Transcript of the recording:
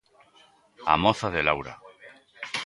A moza de Laura.